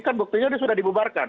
kan buktinya sudah dibubarkan